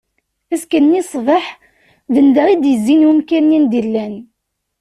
Azekka-nni ṣṣbeḥ, d nnda i d-izzin i umkan-nni anda i llan.